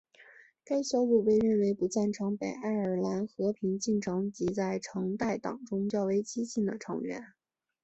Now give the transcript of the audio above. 该小组被认为不赞成北爱尔兰和平进程及在橙带党中较为激进的成员。